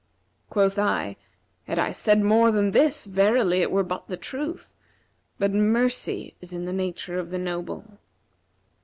Quoth I, 'Had I said more than this verily it were but the truth: but mercy is of the nature of the noble.'